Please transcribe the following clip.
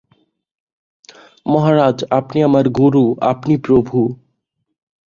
মহারাজ আপনি আমার গুরু, আমার প্রভু।